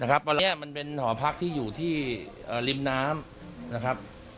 วันนี้มันเป็นหอพักที่อยู่ที่ริมน้ำนะครับ